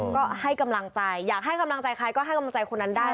ก็ให้กำลังใจอยากให้กำลังใจใครก็ให้กำลังใจคนนั้นได้